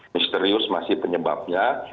misterius masih penyebabnya